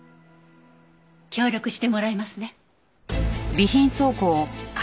協力してもらえますね？